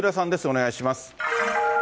お願いします。